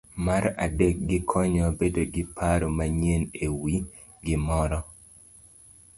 Mar adek, gikonyowa bedo gi paro manyien e wi gimoro.